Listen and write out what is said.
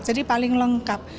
jadi paling lengkap